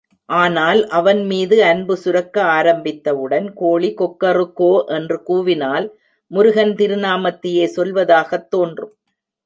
ஆனால் அவன்மீது அன்பு சுரக்க ஆரம்பித்தவுடன் கோழி கொக்கறு கோ என்று கூவினால் முருகன் திருநாமத்தையே சொல்வதாகத் தோன்றும்.